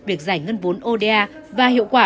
việc giải ngân vốn oda và hiệu quả